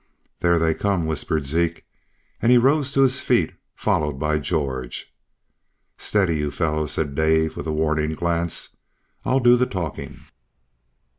"There they come," whispered Zeke, and he rose to his feet, followed by George. "Steady, you fellows," said Dave, with a warning glance. "I'll do the talking."